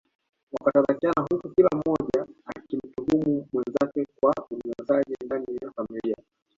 Wakatarakiana huku kila mmoja akimtuhumu mwenzake kwa Unyanyasaji ndani ya familia